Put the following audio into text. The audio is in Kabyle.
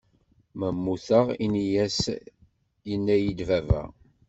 Ma mmuteɣ ini-as yenna-yi baba.